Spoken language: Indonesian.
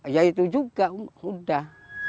ya itu juga sudah